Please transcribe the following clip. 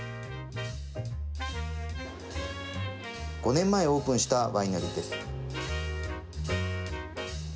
５年前オープンしたワイナリーです。